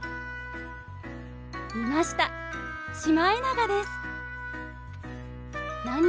いましたシマエナガです。